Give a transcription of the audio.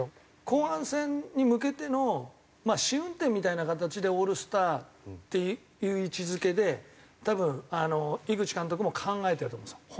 後半戦に向けての試運転みたいな形でオールスターっていう位置付けで多分井口監督も考えてると思うんですよ